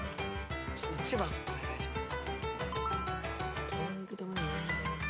１番お願いします。